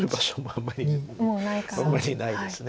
あんまりないです。